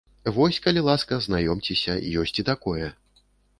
Вось, калі ласка, знаёмцеся, ёсць і такое!